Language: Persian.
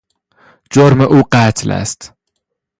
جرم او قتل است.